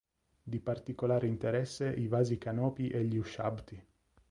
Di particolare interesse i vasi canopi e gli ushabti.